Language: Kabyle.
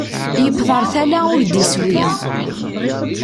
Yewweḍ ar tala ur d-iswi.